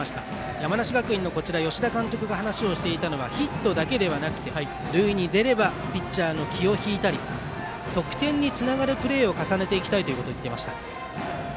山梨学院の吉田監督が話をしていたのはヒットだけではなくて塁に出ればピッチャーの気を引いたり得点につながるプレーを重ねていきたいということを言っていました。